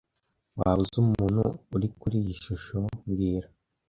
Waba uzi umuntu uri kuri iyi shusho mbwira